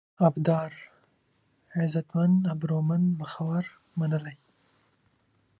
ابدار: عزتمن، ابرومند ، مخور، منلی